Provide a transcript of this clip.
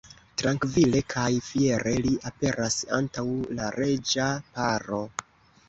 Trankvile kaj fiere li aperas antaŭ la reĝa paro.